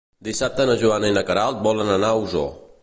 Dissabte na Joana i na Queralt volen anar a Osor.